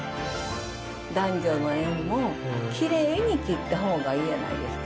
男女の縁もきれいに切った方がええやないですか。